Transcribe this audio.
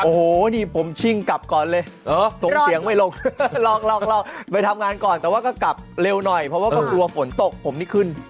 โอ้โหนี่ผมชิ่งกลับก่อนเลยส่งเสียงไม่ลงลองไปทำงานก่อนแต่ว่าก็กลับเร็วหน่อยเพราะว่าก็กลัวฝนตกผมนี่ขึ้น